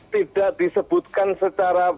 tidak disebutkan secara